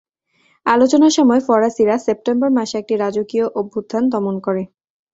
আলোচনার সময় ফরাসিরা সেপ্টেম্বর মাসে একটি রাজকীয় অভ্যুত্থান দমন করে।